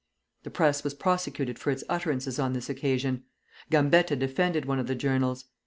_ The Press was prosecuted for its utterances on this occasion. Gambetta defended one of the journals.